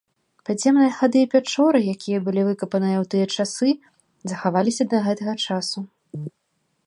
Падземныя хады і пячоры, якія былі выкапаныя ў тыя часы, захаваліся да гэтага часу.